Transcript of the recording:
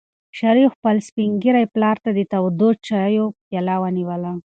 شریف خپل سپین ږیري پلار ته د تودو چایو پیاله ونیوله.